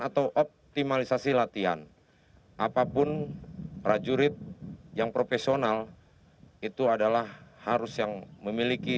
atau optimalisasi latihan apapun prajurit yang profesional itu adalah harus yang memiliki